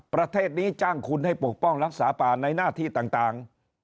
ประเทศนี้จ้างคุณให้ปกป้องรักษาป่าในหน้าที่ต่าง